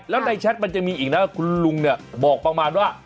แล้วในแชทมันจะมีอีกนะคุณลุงเนี่ยบอกประมาณว่า